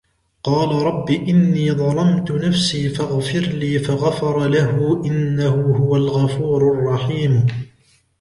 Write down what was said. قَالَ رَبِّ إِنِّي ظَلَمْتُ نَفْسِي فَاغْفِرْ لِي فَغَفَرَ لَهُ إِنَّهُ هُوَ الْغَفُورُ الرَّحِيمُ